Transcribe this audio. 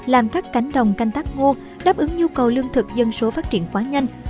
làm các cánh đồng canh tác ngô đáp ứng nhu cầu lương thực dân số phát triển quá nhanh